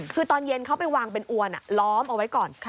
คือตอนเย็นเขาไปวางเป็นอวนล้อมเอาไว้ก่อน